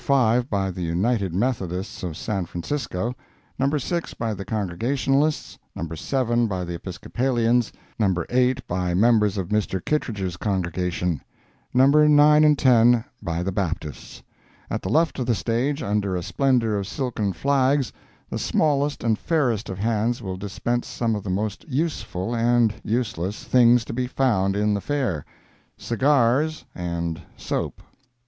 5, by the United Methodists of San Francisco; No. 6, by the Congregationalists; No. 7, by the Episcopalians; No. 8, by members of Mr. Kittredge's congregation; No. 9 and 10, by the Baptists. At the left of the stage, under a splendor of silken flags, the smallest and fairest of hands will dispense some of the most useful and useless things to be found in the Fair—cigars and soap.